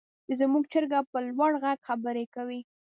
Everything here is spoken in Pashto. زموږ چرګه په لوړ غږ خبرې کوي.